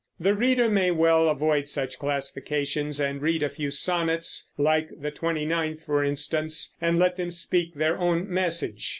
The reader may well avoid such classifications and read a few sonnets, like the twenty ninth, for instance, and let them speak their own message.